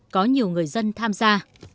có nhiều người dân tham gia